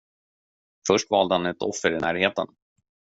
Först valde han ett offer i närheten.